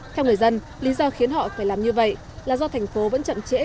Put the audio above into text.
theo người dân lý do khiến họ phải làm như vậy là do thành phố vẫn chậm trễ